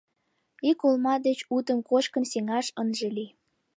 Ик олма деч утым кочкын сеҥаш ынже лий...